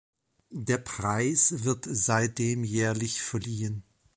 Der Preis wird seitdem jährlich verliehen.